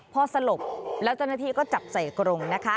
พอสลบแล้วเจ้าหน้าที่ก็จับใส่กรงนะคะ